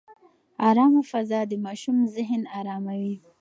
ارامه فضا د ماشوم ذهن اراموي.